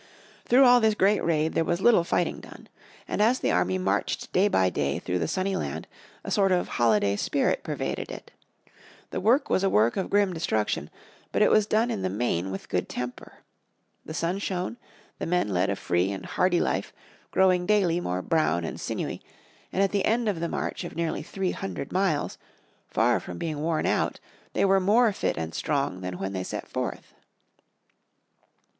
Through all this great raid there was little fighting done. And as the army marched day by day through the sunny land a sort of holiday spirit pervaded it. The work was a work of grim destruction, but it was done in the main with good temper. The sun shone, the men led a free and hardy life, growing daily more brown and sinewy, and at the end of the march of nearly three hundred miles, far from being worn out, they were more fit and strong than when they set forth.